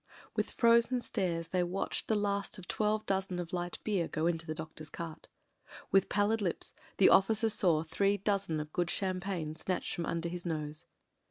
With frozen stares they watched the last of twelve dozen of light beer go into the doctor's cart. With pallid lips the officer saw three dozen of good cham pagne snatched from under his nose.